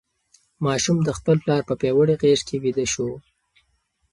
ماشوم د خپل پلار په پیاوړې غېږ کې ویده شو.